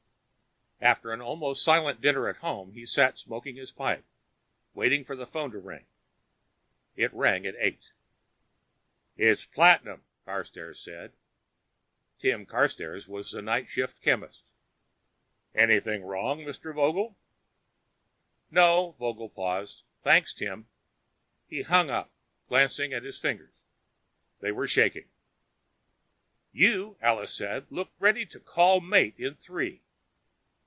After an almost silent dinner at home, he sat smoking his pipe, waiting for the phone to ring. It rang at eight. "It's platinum," Carstairs said. Tim Carstairs was a night shift chemist. "Anything wrong, Mr. Vogel?" "No." Vogel paused. "Thanks, Tim." He hung up, glanced at his fingers. They were shaking. "You," Alice said, "look ready to call mate in three."